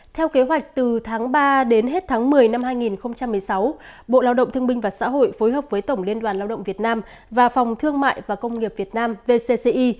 theo kế hoạch từ tháng ba đến hết tháng một mươi năm hai nghìn một mươi sáu bộ lao động thương binh và xã hội phối hợp với tổng liên đoàn lao động việt nam và phòng thương mại và công nghiệp việt nam vcci